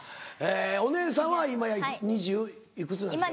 お姉さんは今２０いくつなんですか？